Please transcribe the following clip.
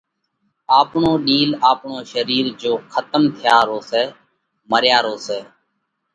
آپڻو ڏِيل آپڻو شرير جيو کتم ٿيا رو سئہ۔ مريا رو سئہ۔